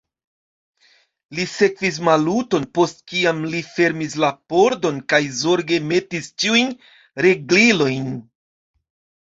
Li sekvis Maluton, post kiam li fermis la pordon kaj zorge metis ĉiujn riglilojn.